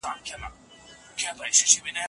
مساپري د هر ځوان لپاره یوه لویه ازموینه ده.